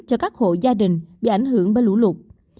cho các hộ gia đình bị ảnh hưởng bởi lũ lụt